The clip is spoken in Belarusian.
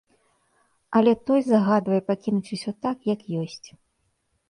Але той загадвае пакінуць усё так, як ёсць.